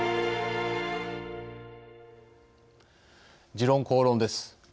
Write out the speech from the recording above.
「時論公論」です。